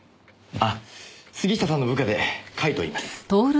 あっ杉下さんの部下で甲斐と言います。